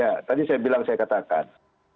ada perbuatan pidana yang berkaitan dengan kesehatan